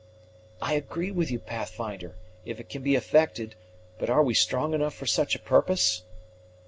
"I agree with you, Pathfinder, if it can be effected; but are we strong enough for such a purpose?"